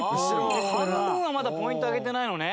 半分はまだポイントあげてないのね。